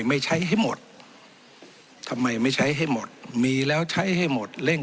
ไม่ใช้ให้หมดทำไมไม่ใช้ให้หมดมีแล้วใช้ให้หมดเร่ง